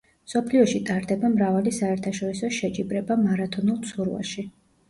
მსოფლიოში ტარდება მრავალი საერთაშორისო შეჯიბრება მარათონულ ცურვაში.